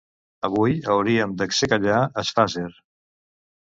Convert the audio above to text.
Avui hauríem d'exsecallar es fasser.